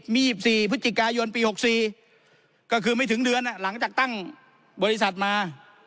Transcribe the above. มี๒๔พฤศจิกายนปี๖๔ก็คือไม่ถึงเดือนหลังจากตั้งบริษัทมา